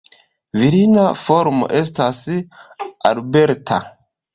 Virina formo estas "Alberta".